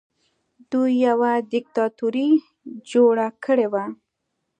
دوی یوه دیکتاتوري جوړه کړې وه